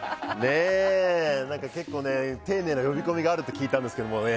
結構、丁寧な呼び込みがあるって聞いたんですけどね。